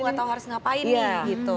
aku gak tau harus ngapain nih gitu